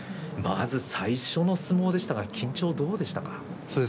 まず最初の相撲でしたが緊張はどうでしたか。